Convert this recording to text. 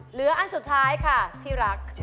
เหลืออันสุดท้ายค่ะที่รัก